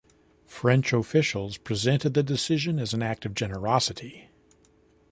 French officials presented the decision as an act of generosity.